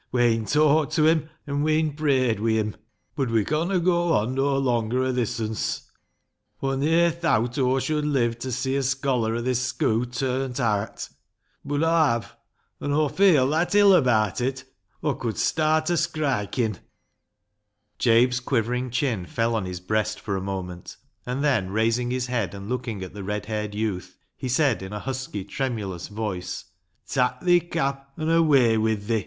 We'en talked to him, an' we'en prayed wi' him. Bud we conna goa on no longer o' thisunce. Aw ne'er thowt Aw should live ta see a scholar o' this schoo' turnt aat. Bud Aw have. An' LEAH'S LOVER 39 Aw feel that ill abaat it Aw could start o' skriking." Jabe's quivering chin fell on his breast for a moment, and then raising his head and looking at the red haired youth, he said in a husky, tremulous voice —" Tak' thi cap, an' away wi' thi."